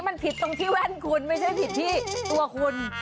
มันผิดตรงที่แว่นคุณไม่ใช่ผิดที่ตัวคุณ